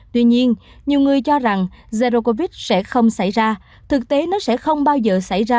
tuy nhiên nhiều người cho rằng zero covid sẽ không xảy ra thực tế nó sẽ không bao giờ xảy ra